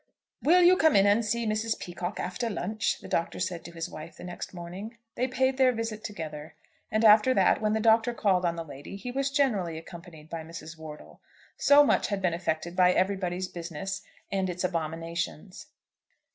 "Will you come in and see Mrs. Peacocke after lunch?" the Doctor said to his wife the next morning. They paid their visit together; and after that, when the Doctor called on the lady, he was generally accompanied by Mrs. Wortle. So much had been effected by 'Everybody's Business,' and its abominations.